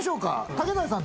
竹財さん